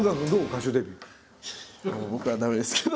僕は駄目ですけど。